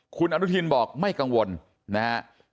คุณอนุทินบอกไม่กังวลนะฮะ